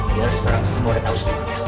dia harus sekarang semua ada tau sendiri